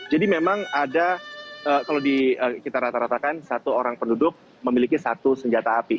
jadi memang ada kalau kita rata ratakan satu orang penduduk memiliki satu senjata api